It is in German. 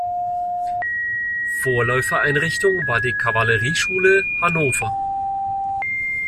Vorläufereinrichtung war die Kavallerieschule Hannover.